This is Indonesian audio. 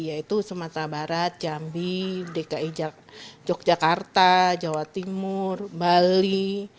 yaitu sumatera barat jambi dki yogyakarta jawa timur bali